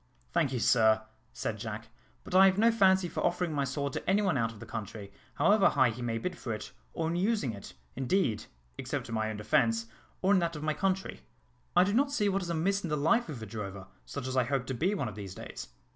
"Thank you, sir," said Jack, "but I have no fancy for offering my sword to any one out of the country, however high he may bid for it, or in using it, indeed, except in my own defence, or in that of my country. I do not see what is amiss in the life of a drover, such as I hope to be one of these days.